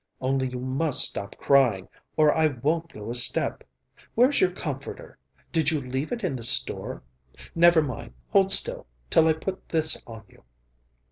Only you must stop crying, or I won't go a step. Where's your comforter? Did you leave it in the store? Never mind. Hold still, till I put this on you."